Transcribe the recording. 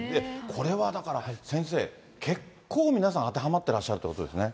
これはだから、先生、結構、皆さん当てはまってらっしゃるということですね。